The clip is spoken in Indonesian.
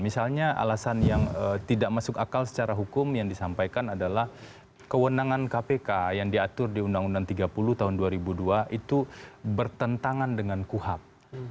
misalnya alasan yang tidak masuk akal secara hukum yang disampaikan adalah kewenangan kpk yang diatur di undang undang tiga puluh tahun dua ribu dua itu bertentangan dengan kuhap